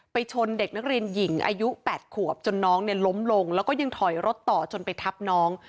ชนเด็กนักเรียนหญิงอายุ๘ขวบจนน้องเนี่ยล้มลงแล้วก็ยังถอยรถต่อจนไปทับน้อง